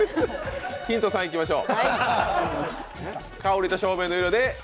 ヒント３いきましょう。